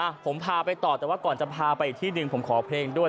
ผมพาไปต่อแต่ว่าก่อนจะพาไปอีกที่หนึ่งผมขอเพลงด้วย